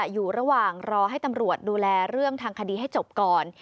อยู่ระหว่างรอให้ตำรวจดูแลเรื่องทางคดีให้จบก่อน